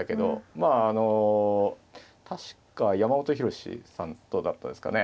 まああの確か山本博志さんとだったですかね。